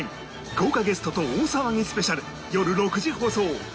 豪華ゲストと大騒ぎスペシャルよる６時放送！